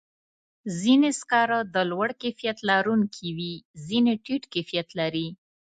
ځینې سکاره د لوړ کیفیت لرونکي وي، ځینې ټیټ کیفیت لري.